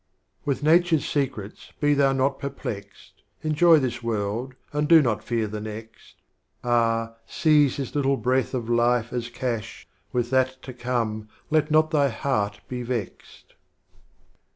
VI. With Nature's Secrets be thou not perplexed. Enjoy this World and do not fear the Next, Ah, sieze this little Breath of Life as Cash, With That to come, Let not thy Heart be vexed.